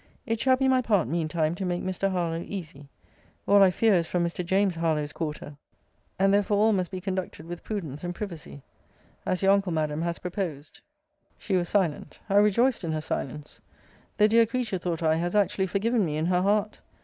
It shall be my part, mean time, to make Mr. Harlowe easy. All I fear is from Mr. James Harlowe's quarter; and therefore all must be conducted with prudence and privacy: as your uncle, Madam, has proposed. She was silent, I rejoiced in her silence. The dear creature, thought I, has actually forgiven me in her heart!